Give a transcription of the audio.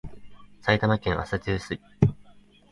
埼玉県朝霞市